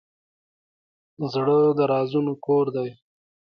زړه د رازونو کور دی.